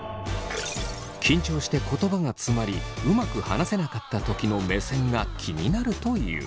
緊張して言葉がつまりうまく話せなかったときの目線が気になるという。